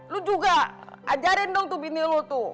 lu juga ajarin dong tuh bini lo tuh